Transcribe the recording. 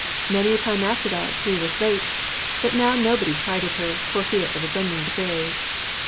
Many a time after that Shuï was late; but now nobody chided her, for fear of offending the fairies.